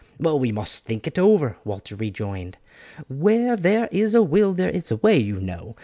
"We must think it over," Walter rejoined; "where there is a will there is a way, you know.